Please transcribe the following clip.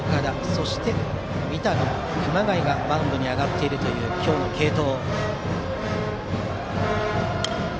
そして三度、熊谷がマウンドに上がっているという今日の継投。